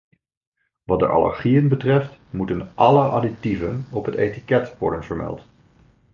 Wat de allergieën betreft, moeten alle additieven op het etiket worden vermeld.